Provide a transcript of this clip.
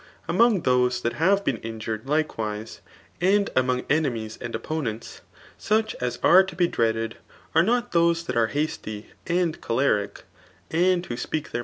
Among diMe that have been injuied, likewise, and amoi^ OMAnies and q^pooentBt such aa are to be dreaded, are not those that are hasty and cbolertc, and who speak tlMsir.